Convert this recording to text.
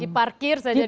di parkir saja di bank